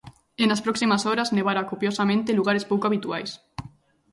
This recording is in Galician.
E nas próximas horas nevará copiosamente en lugares pouco habituais.